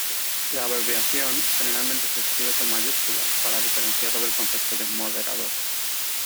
La abreviación, generalmente, se escribe con mayúsculas para diferenciarlo del concepto de moderador.